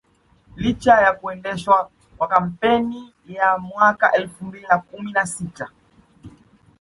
Licha ya kuendeshwa kwa kampeni ya mwaka elfu mbili na kumi na sita